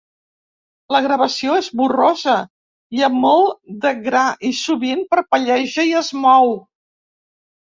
La gravació és borrosa i amb molt de gra, i sovint parpelleja i es mou.